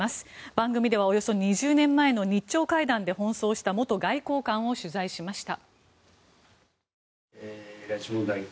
番組ではおよそ２０年前の日朝会談で奔走した元外交官を取材しました。